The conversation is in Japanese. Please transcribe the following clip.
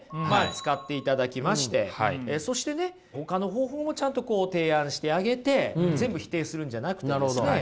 使っていただきましてそしてねほかの方法もちゃんとこう提案してあげて全部否定するんじゃなくてですね。